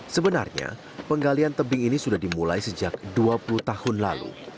sebenarnya penggalian tebing ini sudah dimulai sejak dua puluh tahun lalu